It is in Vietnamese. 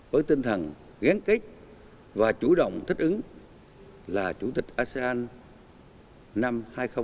với tinh thần ghen kích và chủ động thích ứng là chủ tịch asean năm hai nghìn hai mươi